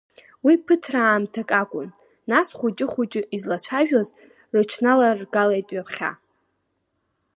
Уи ԥыҭраамҭак акун, нас хуҷы-хуҷы излацәажәоз рыҽналаргалеит ҩаԥхьа.